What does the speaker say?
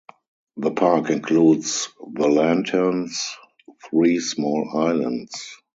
The park includes The Lanterns, three small islands.